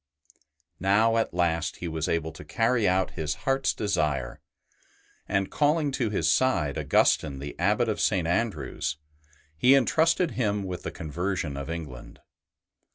Now at last he was able to carry out his heart's desire; and, calling to his side Augustine, the Abbot of St. Andrew's, he entrusted him with the conversion of England.